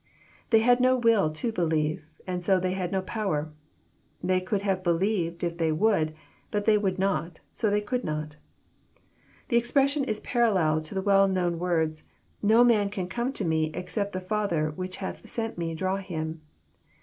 — They had no will to believe, and so they had no power. They could have believed if they would, but they would not, and so they could not. The expression is parallel to the well known words, " No man can come to Me, except the Father which hath sent Me draw him.'